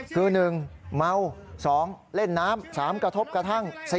คือ๑เมา๒เล่นน้ำ๓กระทบกระทั่ง